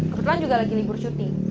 kebetulan juga lagi libur cuti